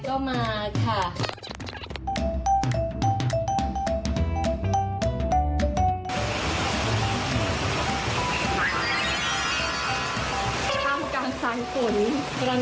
ต้องโควิดค่ะต้องโควิด